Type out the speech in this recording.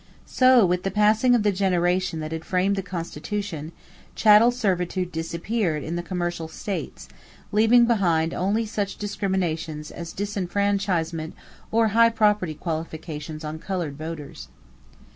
So with the passing of the generation that had framed the Constitution, chattel servitude disappeared in the commercial states, leaving behind only such discriminations as disfranchisement or high property qualifications on colored voters.